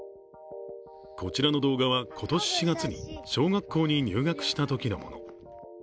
こちらの動画は今年４月に小学校に入学したときのもの。